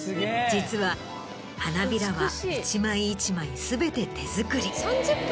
実は花びらは一枚一枚全て手作り。